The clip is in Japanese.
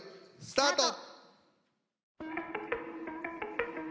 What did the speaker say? スタート！